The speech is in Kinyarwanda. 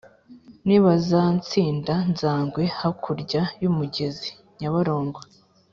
nibazansinda nzagwe hakurya y' umugezi (nyabarongo)